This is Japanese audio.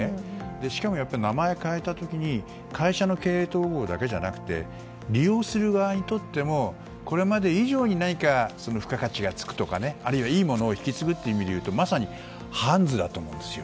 しかも、名前を変えた時に会社の経営統合だけじゃなくて利用する側にとってもこれまで以上に付加価値がつくとかいいものを引き継ぐという意味でいうとまさにハンズだと思うんですよ。